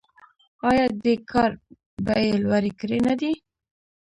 آیا دې کار بیې لوړې کړې نه دي؟